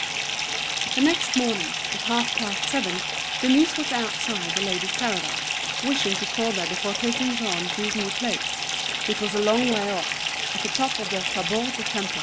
The next morning, at half past seven, Denise was outside The Ladies' Paradise, wishing to call there before taking Jean to his new place, which was a long way off, at the top of the Faubourg du Temple.